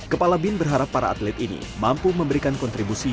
kepala bin berharap para atlet ini mampu memberikan kontribusi